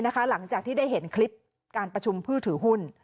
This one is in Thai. หลังจากที่ได้เห็นคลิปการประชุมผู้ถือหุ้น